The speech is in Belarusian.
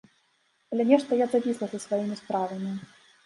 Але нешта я завісла са сваімі справамі.